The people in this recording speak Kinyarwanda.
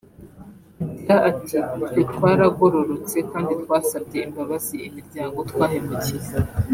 Agira ati “Twe twaragororotse kandi twasabye imbabazi imiryango twahemukiye